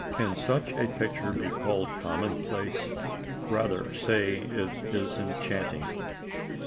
Can such a picture be called commonplace? Rather say it is enchanting.